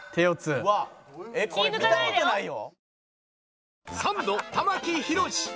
うわあこれ見た事ないよ。